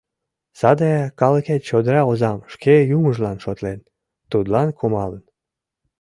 Саде калыкет чодыра озам шке юмыжлан шотлен, тудлан кумалын.